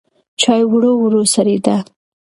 چای ورو ورو سړېده.